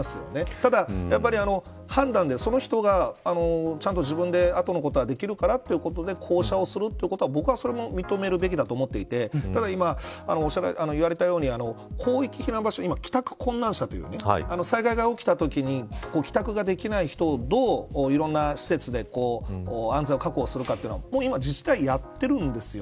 ただ、やっぱり判断でその人が、ちゃんと自分の後のことはできるからということで降車をするということは僕は認めるべきだと思っていてだから今、言われたように広域避難場所を今、帰宅困難者というね災害が起きたときに帰宅ができない人をどう、いろんな施設で安全を確保するかというのは自治体でやってるんですよ。